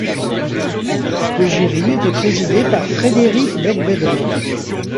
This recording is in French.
Le jury était présidé par Frédéric Beigbeder.